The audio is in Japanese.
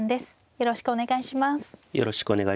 よろしくお願いします。